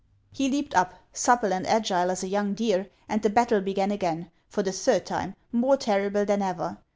He leaped up, supple and agile as a young deer, and the battle began again, for the third time, more terrible than ever.